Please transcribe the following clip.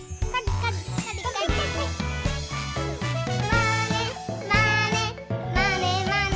「まねまねまねまね」